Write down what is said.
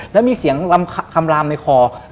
แล้วมีเสียงลำคำลามในคอ